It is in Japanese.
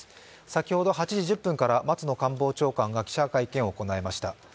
先ほど８時１０分から松野官房長官が記者会見を行いました